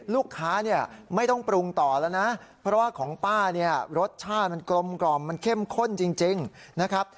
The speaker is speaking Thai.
ลูกค้าเนี่ยไม่ต้องปรุงต่อแล้วนะเพราะว่าของป้าเนี่ยรสชาติมันกลมกล่อมมันเข้มข้นจริงนะครับ